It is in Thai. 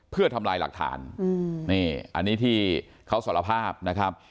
เพื่อทำลายหลักฐานนี่อันนี้ที่เขาสารภาพนะครับ